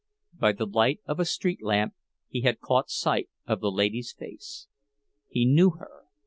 By the light of a street lamp he had caught sight of the lady's face. He knew her.